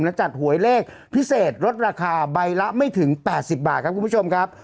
และจัดหวยเลขพิเศษลดราคาใบละไม่ถึง๘๐บาทครับคุณผู้ชมครับ